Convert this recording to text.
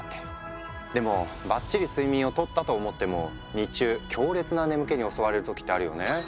でもばっちり睡眠をとったと思っても日中強烈な眠気に襲われる時ってあるよね。